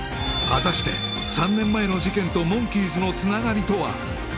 果たして３年前の事件とモンキーズのつながりとは？